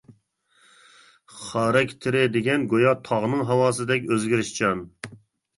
خاراكتېرى دېگەن گويا تاغنىڭ ھاۋاسىدەك ئۆزگىرىشچان.